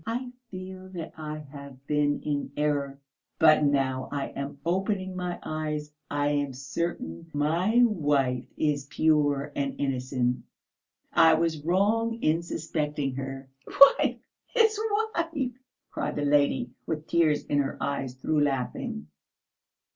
I feel that I have been in error, but now I am opening my eyes. I am certain my wife is pure and innocent! I was wrong in suspecting her." "Wife his wife!" cried the lady, with tears in her eyes through laughing.